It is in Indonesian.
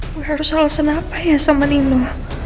gue harus alesan apa ya sama nino